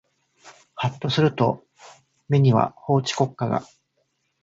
はっとすると目には法治国家が